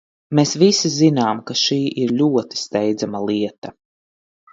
Mēs visi zinām, ka šī ir ļoti steidzama lieta.